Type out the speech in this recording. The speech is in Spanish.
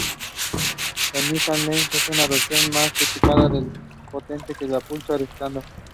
El Nissan Langley es una versión más equipada y potente que el Pulsar estándar.